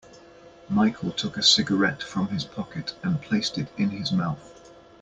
Michael took a cigarette from his pocket and placed it in his mouth.